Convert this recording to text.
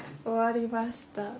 終わりました。